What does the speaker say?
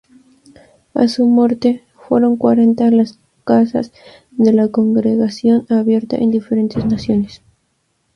A su muerte, fueron cuarenta las "casas" de la Congregación abiertas en diferentes naciones.